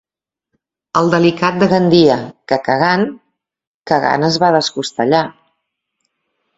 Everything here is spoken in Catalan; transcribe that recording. El delicat de Gandia, que cagant, cagant es va descostellar.